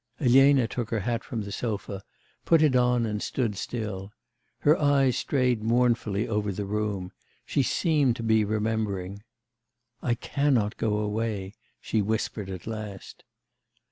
Elena took her hat from the sofa, put it on and stood still. Her eyes strayed mournfully over the room. She seemed to be remembering.... 'I cannot go away,' she whispered at last.